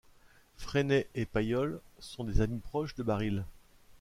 Frenay et Paillole sont des amis proches de Baril.